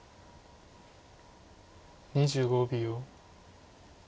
２５秒。